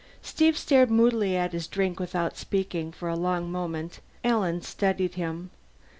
Steve stared moodily at his drink without speaking, for a long moment. Alan studied him.